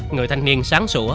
người thanh niên sáng sủa